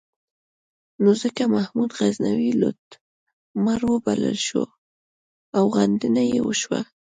نو ځکه محمود غزنوي لوټمار وبلل شو او غندنه یې وشوه.